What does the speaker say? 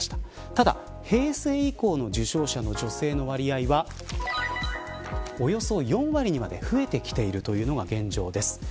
ただ平成以降の受賞者の女性の割合はおよそ４割にまで増えてきているというのが現状です。